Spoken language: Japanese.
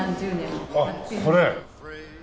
あっこれ？